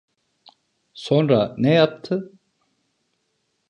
Sonra ne yaptı?